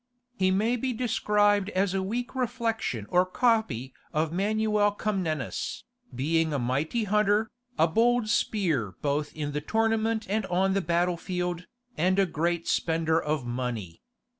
He may be described as a weak reflection or copy of Manuel Comnenus, being a mighty hunter, a bold spear both in the tournament and on the battle field, and a great spender of money.